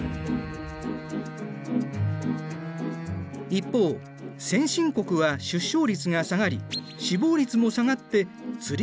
一方先進国は出生率が下がり死亡率も下がって釣鐘型になる。